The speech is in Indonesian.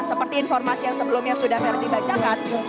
seperti informasi yang sebelumnya sudah verdi bacakan